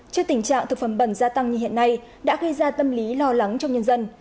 trước tình trạng thực phẩm bẩn gia tăng như hiện nay đã gây ra tâm lý lo lắng trong nhân dân